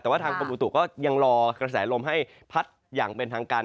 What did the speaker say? แต่ว่าทางกรมอุตุก็ยังรอกระแสลมให้พัดอย่างเป็นทางการ